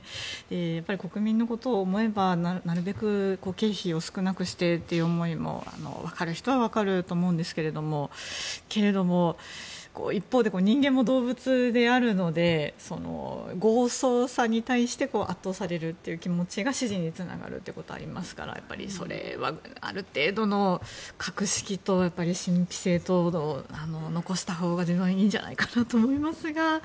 やっぱり国民のことを思えばなるべく経費を少なくしてという思いも分かる人は分かると思うんですがけれども一方で人間も動物であるので豪壮さに対して圧倒されるという気持ちが支持につながることはありますからそれはある程度の格式と神秘性等々は自分は残したほうがいいんじゃないかと思いますが。